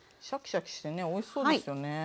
シャキシャキしてねおいしそうですよね。